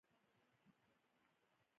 او لا به یې مخکې یوسي.